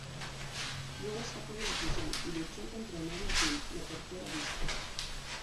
Luego escapó de la prisión y luchó contra Nadia Pym, la tercera avispa.